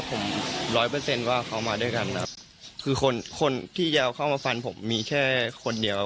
ผมร้อยเปอร์เซ็นต์ว่าเขามาด้วยกันครับคือคนคนที่จะเอาเข้ามาฟันผมมีแค่คนเดียวครับ